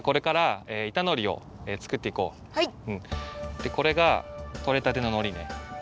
でこれがとれたてののりね。